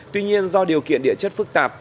tuy nhiên do điều kiện địa chất phức tạp